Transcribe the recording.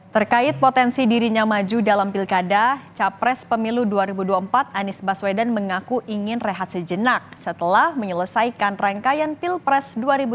terkait potensi dirinya maju dalam pilkada capres pemilu dua ribu dua puluh empat anies baswedan mengaku ingin rehat sejenak setelah menyelesaikan rangkaian pilpres dua ribu dua puluh